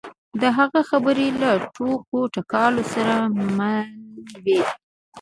د هغه خبرې له ټوکو ټکالو سره ملې وې.